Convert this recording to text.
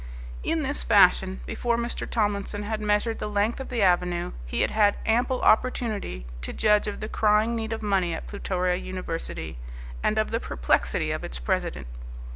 In this fashion, before Mr. Tomlinson had measured the length of the avenue, he had had ample opportunity to judge of the crying need of money at Plutoria University, and of the perplexity of its president.